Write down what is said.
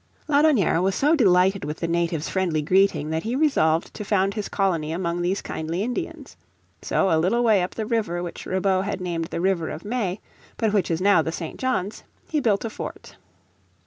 Laudonnière was so delighted with the natives' friendly greeting that he resolved to found his colony among these kindly Indians. So a little way up the river which Ribaut had named the river of May, but which is now the St. John's, he built a fort.